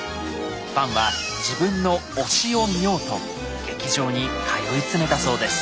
ファンは自分の「推し」を見ようと劇場に通い詰めたそうです。